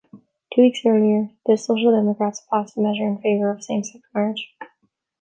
Two weeks earlier, the Social Democrats passed a measure in favor of same-sex marriage.